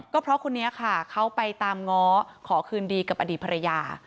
ก็เพราะคนนี้ค่ะเขาไปตามง้อขอคืนดีกับอดีตภรรยา